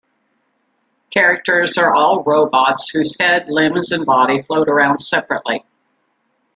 Characters are all robots whose head, limbs, and body float around separately.